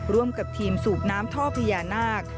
ร่วมกับทีมสูบน้ำท่อพญานาค